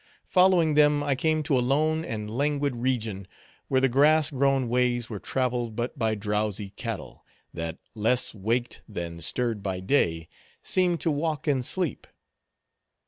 Following them, I came to a lone and languid region, where the grass grown ways were traveled but by drowsy cattle, that, less waked than stirred by day, seemed to walk in sleep.